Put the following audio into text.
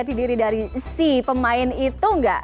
jadi diri dari si pemain itu nggak